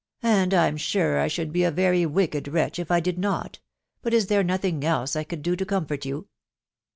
and I'm sure I should be a very wicked wretch if I did not .... But is there nothing else I could do to com fort you?"